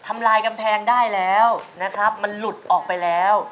ทำลายกำแพงได้แล้วนะครับมันหลุดออกไปแล้ว